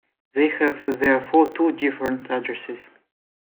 They have therefore two different addresses.